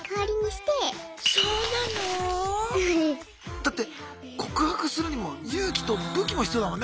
だって告白するにも勇気と武器も必要だもんね